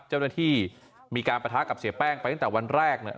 เจ้าหน้าที่มีการปะทะกับเสียแป้งไปตั้งแต่วันแรกเนี่ย